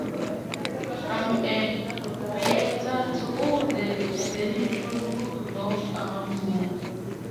I'm a reactor to all the zany people who revolve around me.